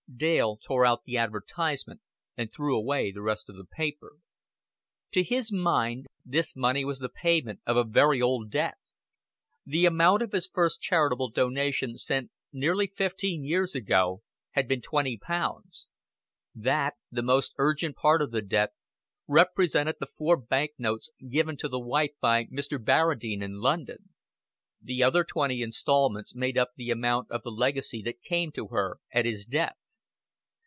Dale tore out the advertisement and threw away the rest of the paper. To his mind, this money was the payment of a very old debt. The amount of his first charitable donation sent nearly fifteen years ago, had been twenty pounds. That, the most urgent part of the debt, represented the four bank notes given to the wife by Mr. Barradine in London. The other twenty instalments made up the amount of the legacy that came to her at his death.